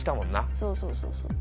そうそうそうそう。